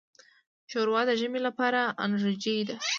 ښوروا د ژمي لپاره انرجۍ ده.